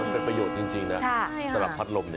มันเป็นประโยชน์จริงนะสำหรับพัดลม